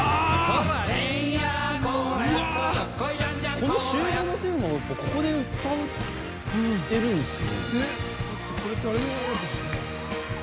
この「集合」のテーマをここで歌えるんですね。